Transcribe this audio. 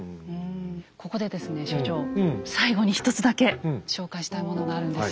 ここでですね所長最後に１つだけ紹介したいものがあるんです。